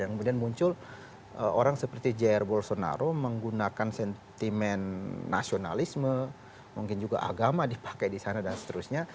kemudian muncul orang seperti jr bolsonaro menggunakan sentimen nasionalisme mungkin juga agama dipakai di sana dan seterusnya